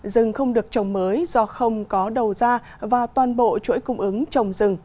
rừng không được trồng mới do không có đầu ra và toàn bộ chuỗi cung ứng trồng rừng